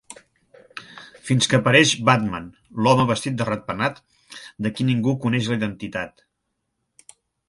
Fins que apareix Batman, l'home vestit de ratpenat, de qui ningú coneix la identitat.